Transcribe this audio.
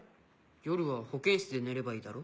夜は保健室で寝ればいいだろ？